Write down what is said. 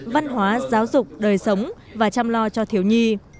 văn hóa giáo dục đời sống và chăm lo cho thiếu nhi